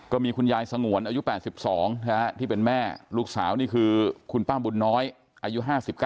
คุณยายสงวนอายุ๘๒ที่เป็นแม่ลูกสาวนี่คือคุณป้าบุญน้อยอายุ๕๙